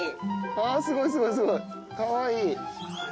すごいすごいすごいかわいい。